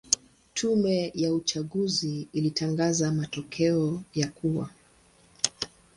Tume ya uchaguzi ilitangaza matokeo ya kuwa